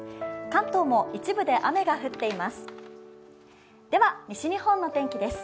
関東も一部で雨が降っています。